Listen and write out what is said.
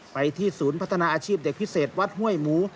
ไปที่ศูนย์พัฒนาอาชีพเด็กพิเศษวัดห้วยหมู